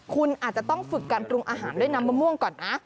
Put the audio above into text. คุณอาจจะต้องฝึกการปรุงอาหารด้วยน้ำมะม่วงก่อนนะ